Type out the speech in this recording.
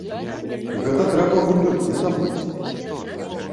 Гэта трэба вундэркіндам быць!